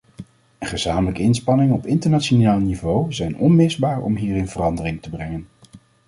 Gezamenlijke inspanningen op internationaal niveau zijn onmisbaar om hierin verandering te brengen.